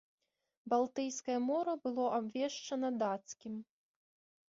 Балтыйскае мора было абвешчана дацкім.